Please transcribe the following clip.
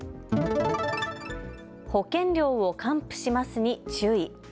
保険料を還付しますに注意。